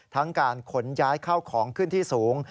การขนย้ายเข้าของขึ้นที่สูง